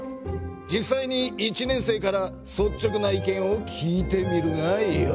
実さいに１年生からそっちょくな意見を聞いてみるがよい。